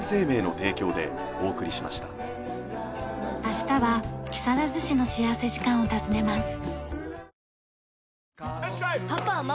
明日は木更津市の幸福時間を訪ねます。